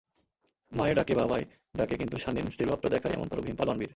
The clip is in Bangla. মায়ে ডাকে বাবায় ডাকে কিন্তু শানীন স্থিরভাবটা দেখায় এমনতর ভীম পালোয়ান বীর।